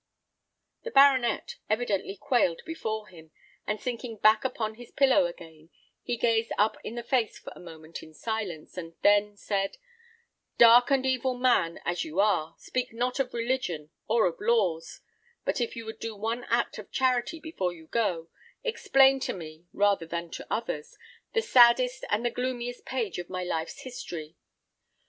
The baronet evidently quailed before him; and sinking back upon his pillow again, he gazed up in his face for a moment in silence, and then said, "Dark and evil man as you are, speak not of religion or of laws; but if you would do one act of charity before you go, explain to me, rather than to others, the saddest and the gloomiest page in my life's history.